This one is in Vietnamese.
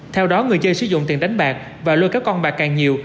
theo đó người chơi sử dụng tiền đánh bạc và lôi kéo con bạc càng nhiều